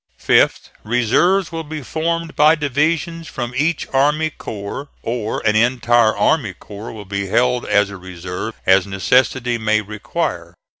Fifth. Reserves will be formed by divisions from each army corps; or, an entire army corps will be held as a reserve, as necessity may require.